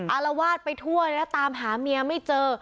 อารวาสไปทั่วเลยแล้วตามหาเมียไม่เจอ